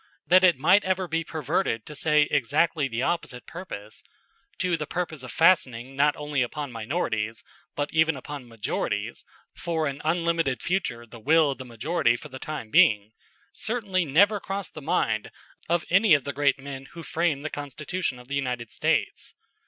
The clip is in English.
That it might ever be perverted to exactly the opposite purpose to the purpose of fastening not only upon minorities but even upon majorities for an unlimited future the will of the majority for the time being certainly never crossed the mind of any of the great men who framed the Constitution of the United States.